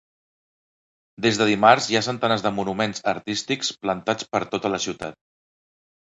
Des de dimarts hi ha centenars de monuments artístics ‘plantats’ per tota la ciutat.